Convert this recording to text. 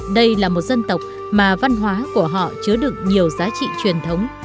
đây là một dân tộc mà văn hóa của họ chứa được nhiều giá trị truyền thống